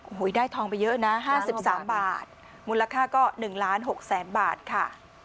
โอ้โหได้ทองไปเยอะนะ๕๓บาทมูลค่าก็๑ล้าน๖แสนบาทค่ะ